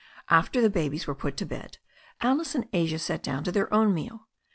After the babies were put to bed, Alice and Asia sat down to their own meal.